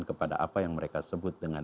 kepada apa yang mereka sebut dengan